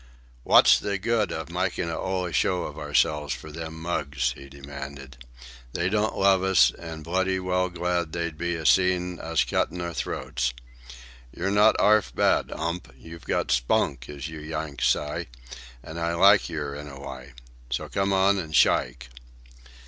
"Wot's the good of mykin' a 'oly show of ourselves for them mugs?" he demanded. "They don't love us, an' bloody well glad they'd be a seein' us cuttin' our throats. Yer not 'arf bad, 'Ump! You've got spunk, as you Yanks s'y, an' I like yer in a w'y. So come on an' shyke."